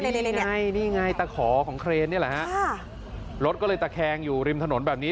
นี่ไงตะขอของเครนนี่แหละฮะรถก็เลยตะแคงอยู่ริมถนนแบบนี้